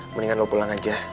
mendingan lu pulang aja